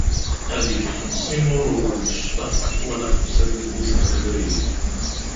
Ad yefk xemsin uṛu deg ccḍeḥ wala xemsa deg udlis n teqbaylit.